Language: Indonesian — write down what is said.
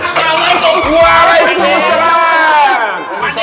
balik ke bawah ya